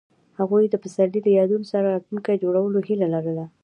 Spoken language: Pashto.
هغوی د پسرلی له یادونو سره راتلونکی جوړولو هیله لرله.